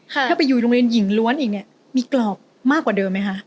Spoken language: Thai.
ถ้าไปอยู่โรงเรียนหญิงล้วนอีกเนี่ยมีกรอบมากกว่าเดิมไหมคะ